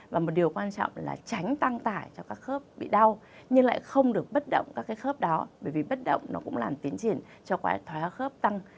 và một điều quan trọng là tránh tăng tải cho các khớp bị đau nhưng lại không được bất động các cái khớp đó bởi vì bất động nó cũng làm tiến triển cho cái thói khớp tăng